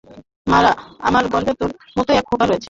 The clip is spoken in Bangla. মারা, আমার গর্ভে তোর মতোই এক খোকা রয়েছে।